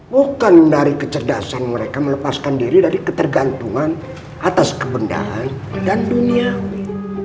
bukan dari kecerdasan mereka melepaskan diri dari ketergantungan atas kebenaran dan duniawi